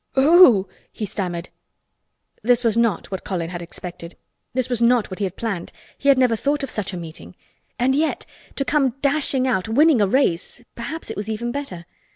Who!" he stammered. This was not what Colin had expected—this was not what he had planned. He had never thought of such a meeting. And yet to come dashing out—winning a race—perhaps it was even better.